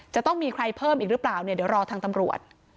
จะต้องมีใครเพิ่มอีกหรือเปล่าเนี่ยเดี๋ยวรอทางตำรวจ